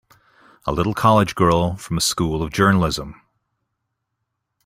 A little college girl from a School of Journalism!